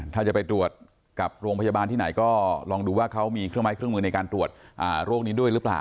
ถ้าจะไปตรวจกับโรงพยาบาลที่ไหนก็ลองดูว่าเขามีเครื่องไม้เครื่องมือในการตรวจโรคนี้ด้วยหรือเปล่า